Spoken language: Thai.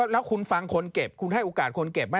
แล้วคุณฟังคนเก็บคุณให้โอกาสคนเก็บไหม